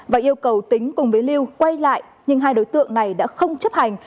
và yêu cầu tính cùng với lưu quay lại nhưng hai đối tượng này đã không chấp hành